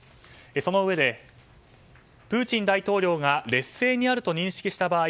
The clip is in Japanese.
そのうえでプーチン大統領が劣勢にあると認識した場合